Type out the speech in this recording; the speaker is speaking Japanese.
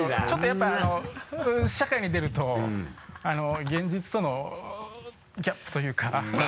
ちょっとやっぱり社会に出ると現実とのギャップというか。